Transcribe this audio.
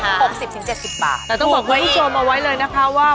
แต่ต้องบอกไว้ที่โชว์มาไว้เลยนะคะว่า